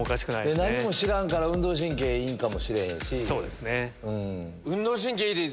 何も知らんから運動神経いいんかもしれへんし。